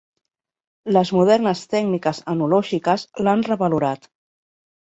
Les modernes tècniques enològiques l'han revalorat.